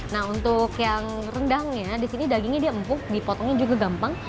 nah untuk yang rendangnya di sini dagingnya dia empuk dipotongnya juga gampang